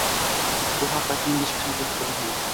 Bu haqda keyingi chiqishimizda suhbatlashamiz.